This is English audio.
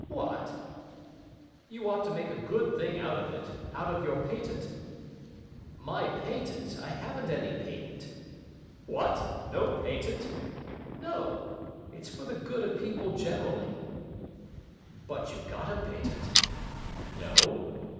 "What?" "You ought to make a good thing out of it—out of your patent." "My patent! I haven't any patent." "What! No patent?" "No. It's for the good of people generally." "But you got a patent?" "No."